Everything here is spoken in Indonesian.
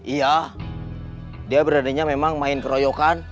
iya dia beraninya memang main keroyokan